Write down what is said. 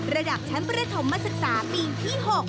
ระดับชั้นประถมศึกษาปีที่๖